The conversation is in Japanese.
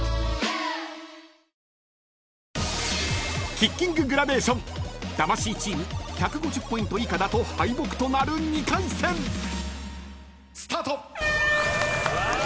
［キッキンググラデーション魂チーム１５０ポイント以下だと敗北となる２回戦］スタート！